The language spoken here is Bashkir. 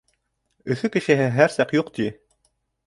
Өфө кешеһе һәр саҡ «юҡ» ти.